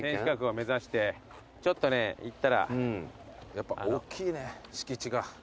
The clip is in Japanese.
やっぱ大きいね敷地が。